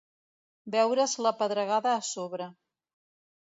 Veure's la pedregada a sobre.